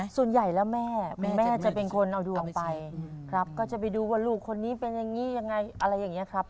ส่วนใหญ่แล้วแม่คุณแม่จะเป็นคนเอาดวงไปครับก็จะไปดูว่าลูกคนนี้เป็นอย่างนี้ยังไงอะไรอย่างนี้ครับ